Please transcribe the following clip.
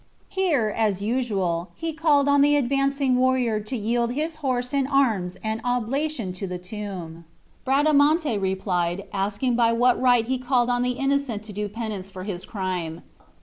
Here, as usual, he called on the advancing warrior to yield his horse and arms an oblation to the tomb. Bradamante replied, asking by what right he called on the innocent to do penance for his crime.